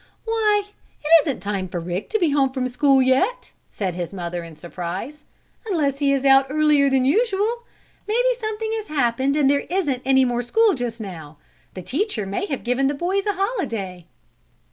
"Why, it isn't time for Rick to be home from school yet!" said his mother in surprise; "unless he is out earlier than usual. Maybe something has happened and there isn't any more school just now the teacher may have given the boys a holiday.